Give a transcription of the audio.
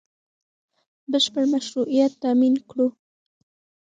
بشپړ مشروعیت تامین کړو